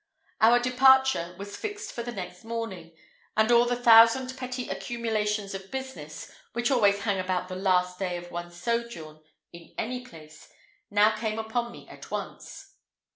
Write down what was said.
Our departure was fixed for the next morning, and all the thousand petty accumulations of business, which always hang about the last day of one's sojourn in any place, now came upon me at once.